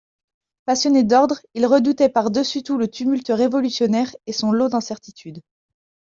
Passionné d'ordre, il redoutait par-dessus tout le tumulte révolutionnaire et son lot d'incertitudes.